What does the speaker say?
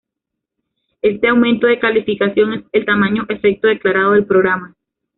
Este aumento de calificación es el tamaño efecto declarado del programa.